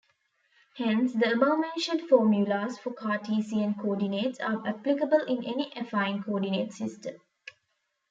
Hence, the above-mentioned formulas for Cartesian coordinates are applicable in any affine coordinate system.